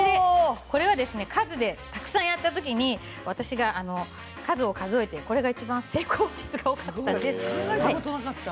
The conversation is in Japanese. これは数でたくさんやったときに私が数を数えてこれがいちばん成功率が多かったです。